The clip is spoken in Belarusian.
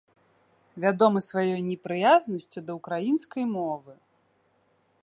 Вядомы сваёй непрыязнасцю да ўкраінскай мовы.